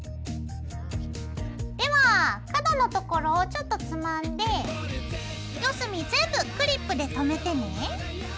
では角のところをちょっとつまんで４隅全部クリップで留めてね。